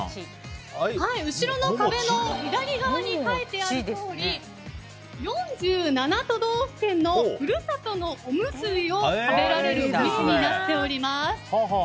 後ろの壁の左側に書いてあるとおり４７都道府県のふるさとのおむすびを食べられるお店になっています。